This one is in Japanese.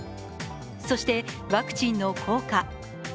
そしてワクチンの効果。